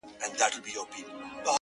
زه چـي په باندي دعوه وكړم _